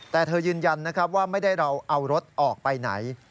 แต่เธอยืนยันนะครับว่าไม่ได้เราเอารถออกไปไหน